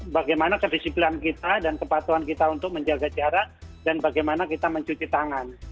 bagaimana kedisiplinan kita dan kepatuhan kita untuk menjaga jarak dan bagaimana kita mencuci tangan